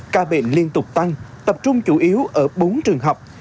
ca bệnh liên tục tăng tập trung chủ yếu ở bốn trường học